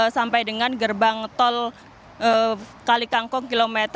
sampai dengan gerbang tol kali kangkung kilometer empat ratus empat belas